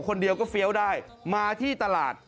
คนเดียวก็เฟี้ยวได้มาที่ตลาด